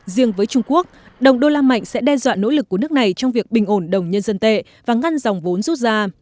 riêng với trung quốc đồng đô la mạnh sẽ đe dọa nỗ lực của nước này trong việc bình ổn đồng nhân dân tệ và ngăn dòng vốn rút ra